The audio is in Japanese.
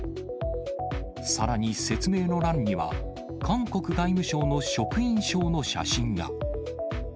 さらに説明の欄には、韓国外務省の職員証の写真が。